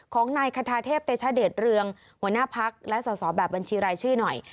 ของนายคาทาเทพเตชเดชเรืองหัวหน้าพักและสอบแบบบัญชีรายชื่อหน่อย